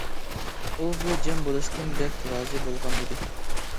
ئۇ بۇ جەم بولۇشتىن بەك رازى بولغان ئىدى.